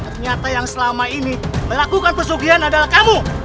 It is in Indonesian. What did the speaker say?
ternyata yang selama ini melakukan pesugihan adalah kamu